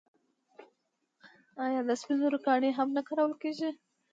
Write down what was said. آیا د سپینو زرو ګاڼې هم نه کارول کیږي؟